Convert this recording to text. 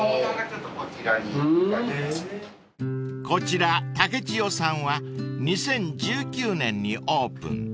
［こちら竹千代さんは２０１９年にオープン］